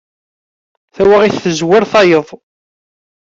Tawaɣit tezwar tayeḍ.